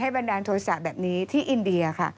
ให้บรรดานโทรศาสตร์แบบนี้ที่อินเดียค่ะ